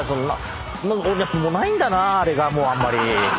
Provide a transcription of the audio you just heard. やっぱもうないんだなあれがあんまり。